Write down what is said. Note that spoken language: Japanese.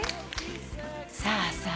さあさあ